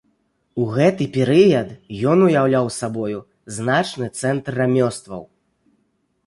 У гэты перыяд ён уяўляў сабою значны цэнтр рамёстваў.